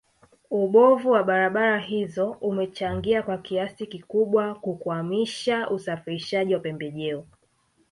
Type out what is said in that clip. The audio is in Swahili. Ubovu wa barabara hizo umechangia kwa kiasi kikubwa kukwamisha usafirishaji wa pembejeo